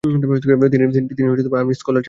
তিনি army scholar ছিলেন।